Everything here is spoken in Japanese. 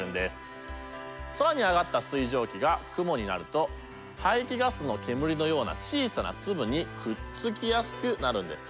空に上がった水蒸気が雲になると排気ガスの煙のような小さな粒にくっつきやすくなるんです。